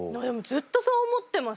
ずっとそう思ってます。